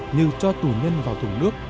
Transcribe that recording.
như cho tù nhân vào thùng nước